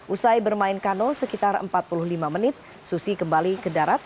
usai bermain kano sekitar empat puluh lima menit susi kembali ke darat